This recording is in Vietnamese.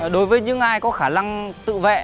đối với những ai có khả năng tự vệ